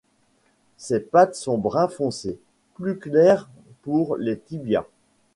Ses pattes sont brun foncé, plus claires pour les tibias.